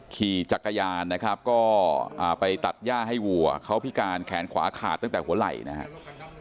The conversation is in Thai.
ขี่จักรยานนะครับก็ไปตัดย่าให้วัวเขาพิการแขนขวาขาดตั้งแต่หัวไหล่นะครับ